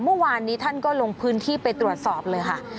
เมื่อวานนี้ท่านก็ลงพื้นที่ไปตรวจสอบเลยค่ะ